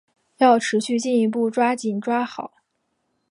要持续进一步抓紧抓好